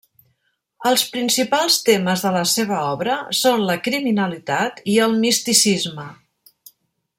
Els principals temes de la seva obra són la criminalitat i el misticisme.